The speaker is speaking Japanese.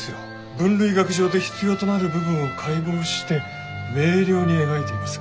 分類学上で必要となる部分を解剖して明瞭に描いています。